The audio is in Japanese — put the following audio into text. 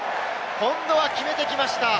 今度は決めてきました。